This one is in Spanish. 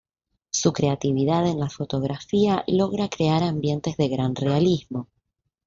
Su creatividad en la fotografía logra crear ambientes de gran realismo.